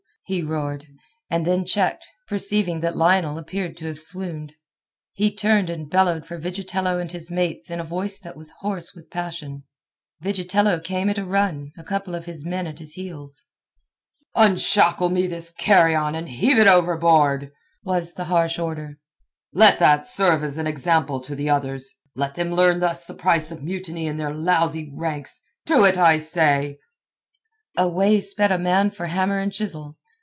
he roared, and then checked, perceiving that Lionel appeared to have swooned. He turned and bellowed for Vigitello and his mates in a voice that was hoarse with passion. Vigitello came at a run, a couple of his men at his heels. "Unshackle me this carrion, and heave it overboard," was the harsh order. "Let that serve as an example to the others. Let them learn thus the price of mutiny in their lousy ranks. To it, I say." Away sped a man for hammer and chisel.